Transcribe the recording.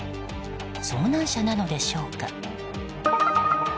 遭難者なのでしょうか。